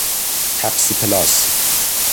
تپسی پلاس